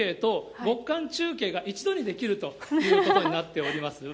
猛暑中継と極寒中継が一度にできるということになっております。